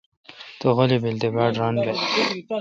تو غیلی بیل تے باڑ ران بہ۔